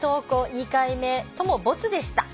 ２回目とも没でした」